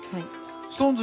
ＳｉｘＴＯＮＥＳ